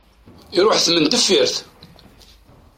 Iruḥ d timendeffirt.